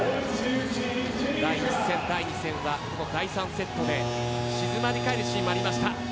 第１戦、第２戦は第３セットで静まり返るシーンもありました。